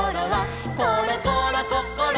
「ころころこころ